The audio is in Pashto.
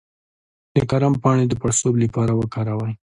د کرم پاڼې د پړسوب لپاره وکاروئ